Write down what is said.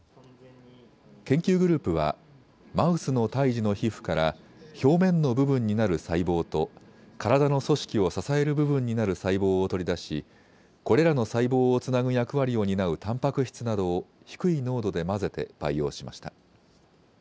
研究グループはマウスの胎児の皮膚から表面の部分になる細胞と体の組織を支える部分になる細胞を取り出し、これらの細胞をつなぐ役割を担うたんぱく質などを低い濃度で混ぜて培養しました。